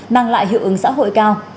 mang lại hiệu ứng xã hội cao